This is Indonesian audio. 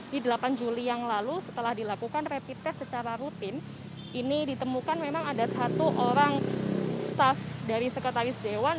di delapan juli yang lalu setelah dilakukan rapid test secara rutin ini ditemukan memang ada satu orang staff dari sekretaris dewan